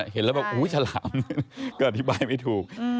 เห็นแล้วบอกฉลามก็อธิบายไม่ถูก